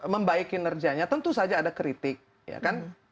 membaiki nerjanya tentu saja ada kritik